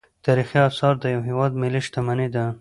تاریخي اثار د یو هیواد ملي شتمني ده.